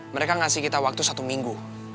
mereka ngasih kita waktu satu minggu